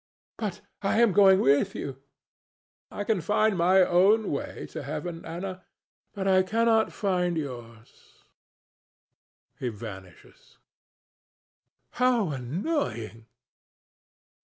ANA. But I am going with you. DON JUAN. I can find my own way to heaven, Ana; but I cannot find yours [he vanishes]. ANA. How annoying!